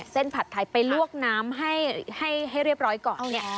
เส้นผัดไทยไปลวกน้ำให้เรียบร้อยก่อน